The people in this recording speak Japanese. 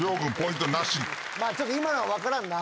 ちょっと今のは分からんな。